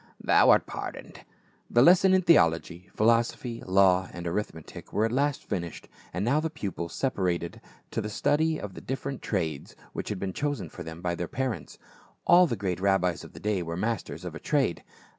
— Thou art pardoned." The lessons in theology, philosophy, law and arith metic were at last finished ; and now the pupils sepa rated to the study of the different trades which had been chosen for them by their parents. All the great rabbis of the day were masters of a trade.